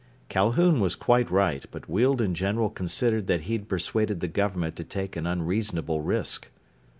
Calhoun was quite right, but Weald in general considered that he'd persuaded the government to take an unreasonable risk.